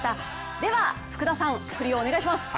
では、福田さん、ふりをお願いします！